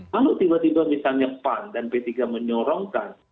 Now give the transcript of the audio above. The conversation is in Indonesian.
kalau tiba tiba misalnya pan dan p tiga menyorongkan